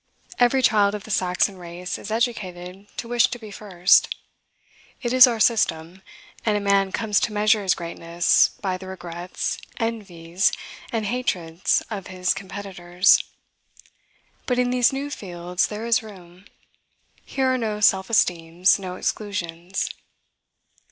Every child of the Saxon race is educated to wish to be first. It is our system; and a man comes to measure his greatness by the regrets, envies, and hatreds of his competitors. But in these new fields there is room: here are no self esteems, no exclusions.